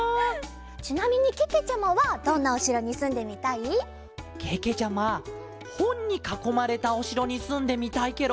ちなみにけけちゃまはどんなおしろにすんでみたい？けけちゃまほんにかこまれたおしろにすんでみたいケロ。